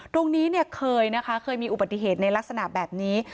ตรงนี้เนี่ยเคยนะคะเคยมีอุบัติเหตุในลักษณะแบบนี้